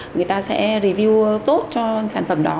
người ta sẽ review tốt cho sản phẩm đó